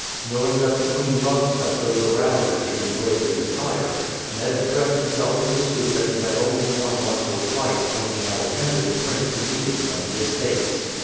Knowing that the queen loved that those around her should be bravely attired, Ned dressed himself in the suit that he had only worn once or twice when he had attended the prince to meetings of the Estates.